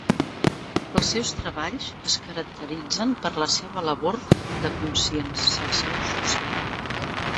Els seus treballs es caracteritzen per la seva labor de conscienciació social.